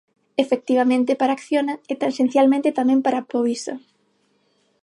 Efectivamente, para Acciona e tanxencialmente tamén para Povisa.